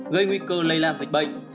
gây nguy cơ lây lan dịch bệnh